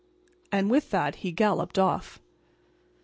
And with that he galloped off.